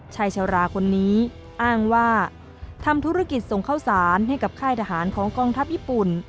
ชายชะลาคนนี้อ้างว่าทำธุรกิจส่งข้าวสารให้กับค่ายทหารของกองทัพญี่ปุ่น